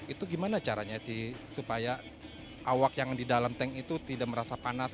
itu gimana caranya sih supaya awak yang di dalam tank itu tidak merasa panas